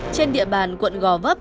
trên địa bàn quận gò vấp